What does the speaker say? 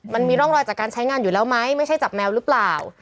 มันมีร่องรอยจากการใช้งานอยู่แล้วไหมไม่ใช่จับแมวหรือเปล่า